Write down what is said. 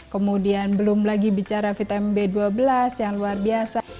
kemudian belum lagi bicara vitamin b dua belas yang luar biasa